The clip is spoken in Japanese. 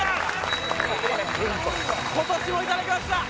今年もいただきました！